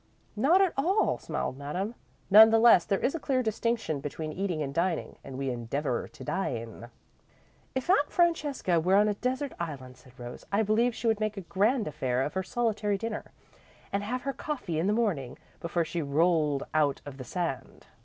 "Not at all," smiled Madame. "None the less, there is a clear distinction between eating and dining and we endeavour to dine." "If Aunt Francesca were on a desert island," said Rose, "I believe she would make a grand affair of her solitary dinner, and have her coffee in the morning before she rolled out of the sand."